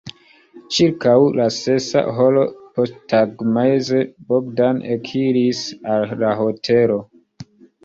Ĉirkaŭ la sesa horo posttagmeze Bogdan ekiris al la hotelo.